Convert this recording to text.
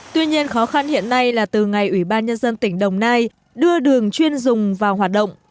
tuy nhiên khó khăn hiện nay là từ ngày ủy ban nhân dân tỉnh đồng nai đưa đường chuyên dùng vào hoạt động